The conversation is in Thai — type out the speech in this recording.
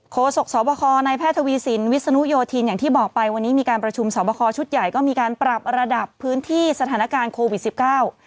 โศกสวบคในแพทย์ทวีสินวิศนุโยธินอย่างที่บอกไปวันนี้มีการประชุมสอบคอชุดใหญ่ก็มีการปรับระดับพื้นที่สถานการณ์โควิดสิบเก้า